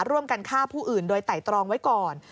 ร่วมกันฆ่าผู้อื่นโดยไตรตรองไว้ก่อน